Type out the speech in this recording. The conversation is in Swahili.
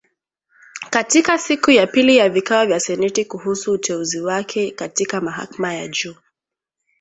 Katika siku ya pili ya vikao vya seneti kuhusu uteuzi wake katika mahakama ya juu.